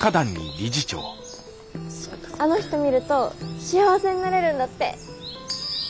あの人見ると幸せになれるんだって。